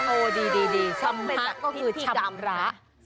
โอ้ดีสำหรักก็คือที่คำาร้า